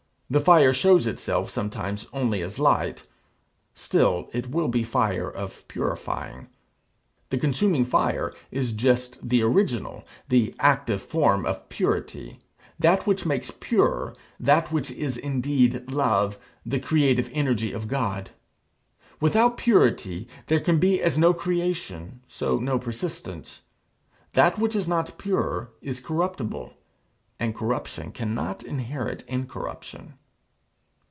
The fire shows itself sometimes only as light still it will be fire of purifying. The consuming fire is just the original, the active form of Purity, that which makes pure, that which is indeed Love, the creative energy of God. Without purity there can be as no creation so no persistence. That which is not pure is corruptible, and corruption cannot inherit incorruption.